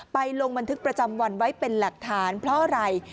ลงบันทึกประจำวันไว้เป็นหลักฐานเพราะอะไร